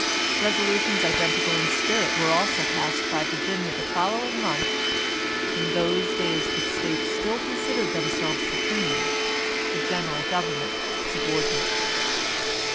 Reso lutions identical in spirit were also passed by Virginia, the following month; in those days the States still con sidered themselves supreme, the general government sub ordinate.